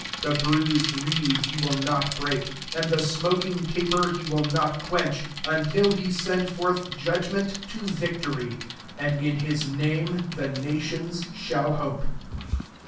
20 The bruised reed he will not break, and the smoking taper he will not quench, until he send forth judgment to victory. 21 And in his name the nations shall hope.'